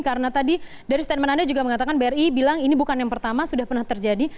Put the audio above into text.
karena tadi dari statement anda juga mengatakan bri bilang ini bukan yang pertama sudah pernah terjadi